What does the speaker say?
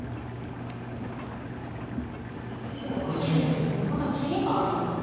さあそして白はハネてまだ切りがありますね。